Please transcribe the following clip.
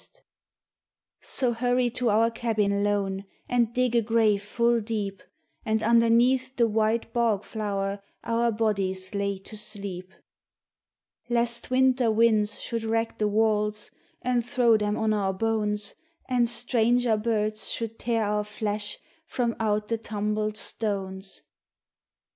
74 A LAY OF THE FAMINE " So hurry to our cabin lone, and dig a grave full deep And underneath the white bog flower our bodies lay to sleep. "Lest winter winds should wreck the walls and throw them on our bones, And stranger birds should tear our flesh from out the tumbled stones.